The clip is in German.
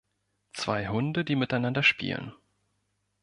Zwei Hunde, die miteinander spielen.